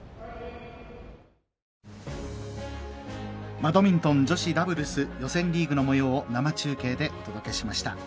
バドミントン女子ダブルス予選リーグのもようを生中継でお伝えしました。